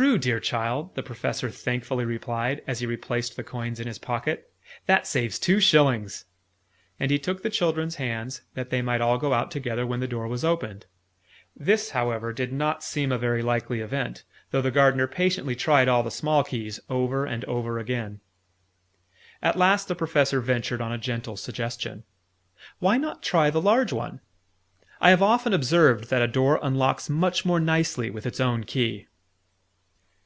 "True, dear child!" the Professor thankfully replied, as he replaced the coins in his pocket. "That saves two shillings!" And he took the children's hands, that they might all go out together when the door was opened. This, however, did not seem a very likely event, though the Gardener patiently tried all the small keys, over and over again. At last the Professor ventured on a gentle suggestion. "Why not try the large one? I have often observed that a door unlocks much more nicely with its own key."